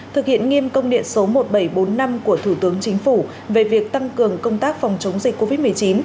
thực hiện nghiêm công điện số một nghìn bảy trăm bốn mươi năm của thủ tướng chính phủ về việc tăng cường công tác phòng chống dịch covid một mươi chín